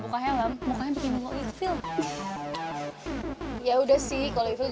pertanyaanikes udah cri